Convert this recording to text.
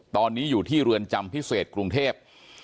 ตอนนี้อยู่ที่เรือนจำพิเศษกรุงเทพ